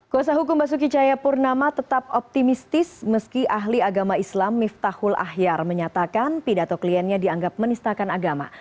kuasa hukum basuki cahayapurnama tetap optimistis meski ahli agama islam miftahul ahyar menyatakan pidato kliennya dianggap menistakan agama